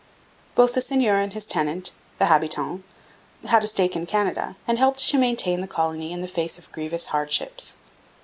Both the seigneur and his tenant, the habitant, had a stake in Canada and helped to maintain the colony in the face of grievous hardships.